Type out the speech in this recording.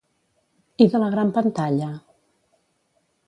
I de la gran pantalla?